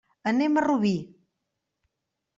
Anem a Rubí.